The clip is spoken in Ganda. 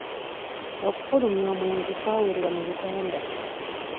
Okufulumya omwenge kwawerebwa mu Uganda.